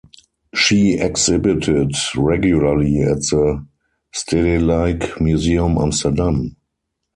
She exhibited regularly at the Stedelijk Museum Amsterdam.